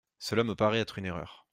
Cela me paraît être une erreur.